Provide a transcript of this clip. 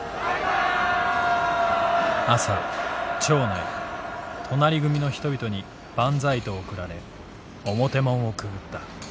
「朝町内隣組の人々にばんざいと送られ表門をくぐった。